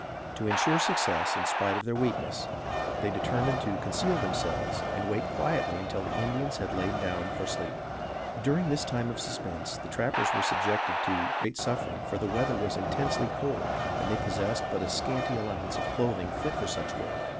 To insure success in spite of their weakness, they determined to conceal themselves and wait quietly until the Indians had lain down for sleep. During this time of suspense the trappers were subjected to great suffering for the weather was intensely cold and they possessed but a scanty allowance of clothing fit for such work.